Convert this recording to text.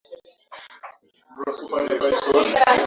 Utanipa chakula nikule nikifika nyumbani